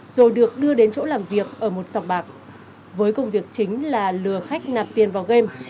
rồi được đưa đến chỗ làm việc ở một sọc bạc với công việc chính là lừa khách nạp tiền vào game